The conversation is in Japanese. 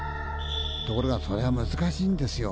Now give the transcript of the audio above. ところがそれは難しいんですよ。